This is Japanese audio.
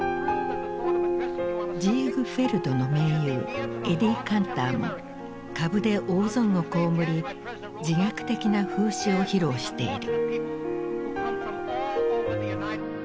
ジーグフェルドの盟友エディ・カンターも株で大損をこうむり自虐的な風刺を披露している。